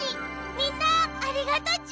みんなありがとち！